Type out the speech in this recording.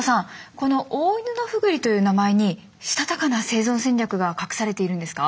このオオイヌノフグリという名前にしたたかな生存戦略が隠されているんですか？